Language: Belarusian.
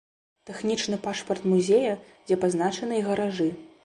Тэхнічны пашпарт музея, дзе пазначаны і гаражы.